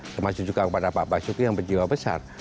termasuk juga kepada pak basuki yang berjiwa besar